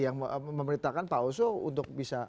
yang memerintahkan pak oso untuk bisa